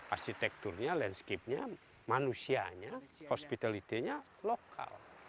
arsitekturnya landscape nya manusianya hospitality nya lokal